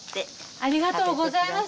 ありがとうございます。